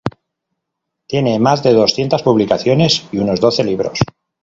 Tiene más de doscientas publicaciones, y unos doce libros.